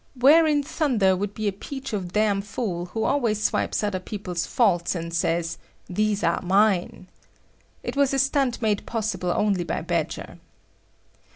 Where in thunder would be a peach of damfool who always swipes other people's faults and says "these are mine?" It was a stunt made possible only by Badger.